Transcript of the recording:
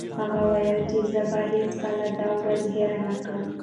هغه وویل چې زه به هیڅکله دا ورځ هېره نه کړم.